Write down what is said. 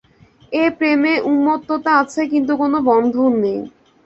এ প্রেমে উন্মত্ততা আছে, কিন্তু কোন বন্ধন নেই।